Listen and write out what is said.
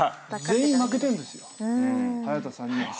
全員負けてるんですよ早田さんには。